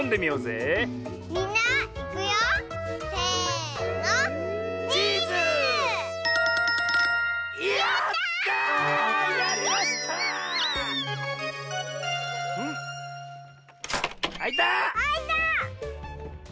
あいた！